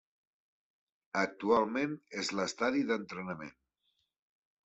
Actualment és l'estadi d'entrenament.